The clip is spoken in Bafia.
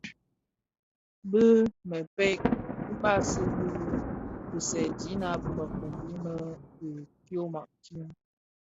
Bi mpërkë dibasi di bisèèdina bi mëfombi më bi tyoma di.